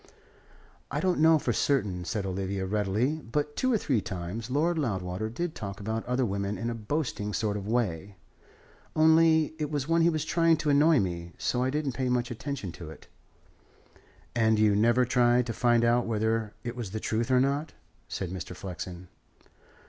"I don't know for certain," said Olivia readily. "But two or three times Lord Loudwater did talk about other women in a boasting sort of way. Only it was when he was trying to annoy me; so I didn't pay much attention to it." "And you never tried to find out whether it was the truth or not?" said Mr. Flexen.